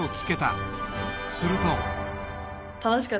［すると］